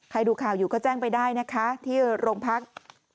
ดูข่าวอยู่ก็แจ้งไปได้นะคะที่โรงพัก